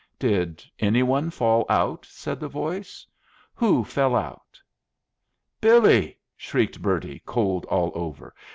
"Did any one fall out?" said the voice. "Who fell out?" "Billy!" shrieked Bertie, cold all over.